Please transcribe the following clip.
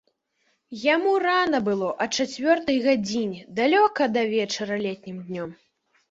Яму рана было а чацвёртай гадзіне, далёка да вечара летнім днём.